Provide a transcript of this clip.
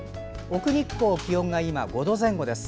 奥日光、気温が今５度前後です。